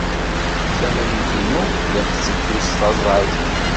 Tamrint-inu la tetteddu s taẓeyt.